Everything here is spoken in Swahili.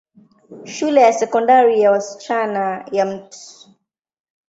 Shule ya Sekondari ya wasichana ya Mt.